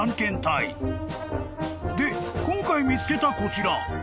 ［で今回見つけたこちら］